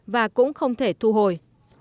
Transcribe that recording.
và cũng không thể thu hồi